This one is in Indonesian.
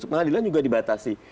pengadilan juga dibatasi